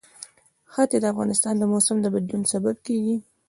ښتې د افغانستان د موسم د بدلون سبب کېږي.